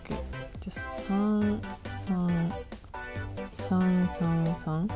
じゃあ３３３３３。